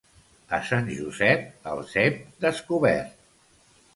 A Sant Josep, el cep descobert.